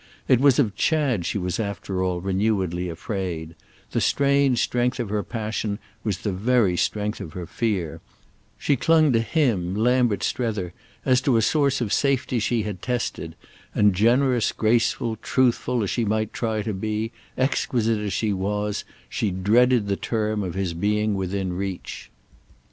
It was of Chad she was after all renewedly afraid; the strange strength of her passion was the very strength of her fear; she clung to him, Lambert Strether, as to a source of safety she had tested, and, generous graceful truthful as she might try to be, exquisite as she was, she dreaded the term of his being within reach.